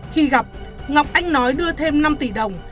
khi gặp ngọc anh nói đưa thêm năm tỷ đồng